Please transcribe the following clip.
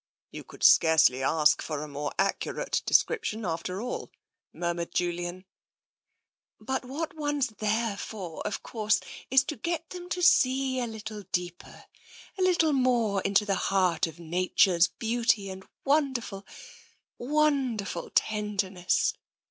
" You could scarcely ask for a more accurate de scription, after all,'* murmured Julian. " But what one's there for, of course, is to get them to see a little deeper, a little more into the heart of Nature's beauty and wonderful, wonderful tenderness.